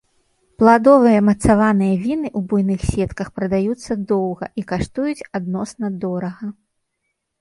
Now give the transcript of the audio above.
Пладовыя мацаваныя віны у буйных сетках прадаюцца доўга і каштуюць адносна дорага.